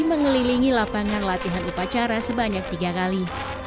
mengelilingi lapangan latihan upacara sebanyak tiga kali